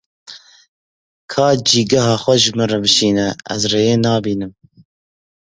Ka cîgeha xwe ji min re bişîne, ez rêyê nabînim.